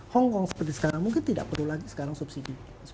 hongkong seperti sekarang mungkin tidak perlu lagi sekarang subsidi